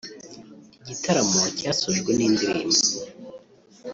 Igitaramo cyasojwe n'indirimbo